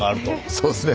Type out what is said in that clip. そうですね。